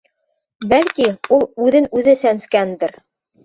Бәлки, ул үҙен үҙе сәнскәндер.